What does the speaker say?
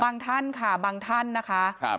ท่านค่ะบางท่านนะคะ